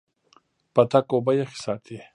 پتک اوبه یخې ساتي.